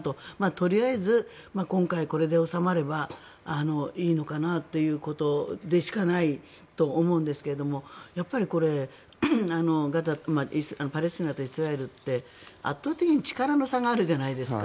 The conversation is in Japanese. とりあえず今回これで収まればいいのかなということでしかないと思うんですがパレスチナとイスラエルって圧倒的に力の差があるじゃないですか。